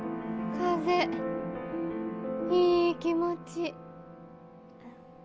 風いい気持ち。